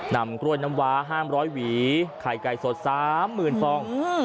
นำกล้วยน้ำวาห้ามร้อยหวีไข่ไก่สด๓หมื่นฟอง